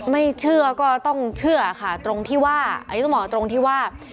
ไม่เชื่อก็ต้องเชื่อค่ะตรงที่ว่าที่ว่า